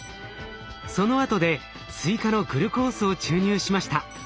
そのあとで追加のグルコースを注入しました。